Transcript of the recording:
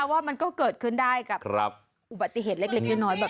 ว่ามันก็เกิดขึ้นได้กับอุบัติเหตุเล็กน้อยแบบ